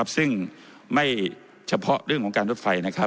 ซึ่งไม่เฉพาะเรื่องของการรถไฟ